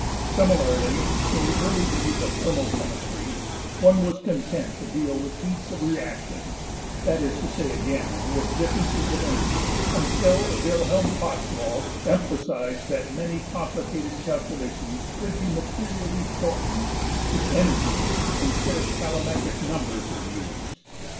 Similarly in the early days of thermochemistry one was content to deal with heats of reaction, that is to say again with differences of energy, until Wilhelm Ostwald emphasized that many complicated calculations could be materially shortened if energies instead of calorimetric numbers were used.